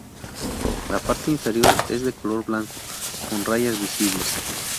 La parte inferior es de color blanco con rayas visibles.